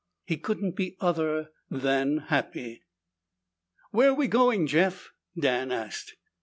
He couldn't be other than happy. "Where we going, Jeff?" Dan asked.